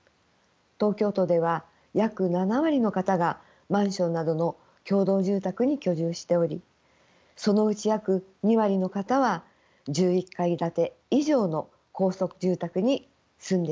東京都では約７割の方がマンションなどの共同住宅に居住しておりそのうち約２割の方は１１階建て以上の高層住宅に住んでいます。